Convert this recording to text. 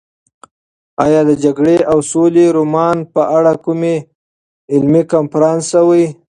ایا د جګړې او سولې رومان په اړه کوم علمي کنفرانس شوی؟